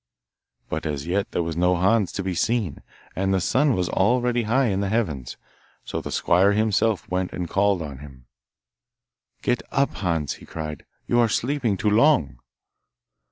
But as yet there was no Hans to be seen, and the sun was already high in the heavens, so the squire himself went and called on him. 'Get up, Hans,' he cried; 'you are sleeping too long.